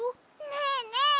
ねえねえ